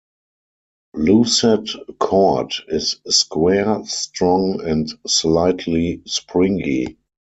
Lucet cord is square, strong, and slightly springy.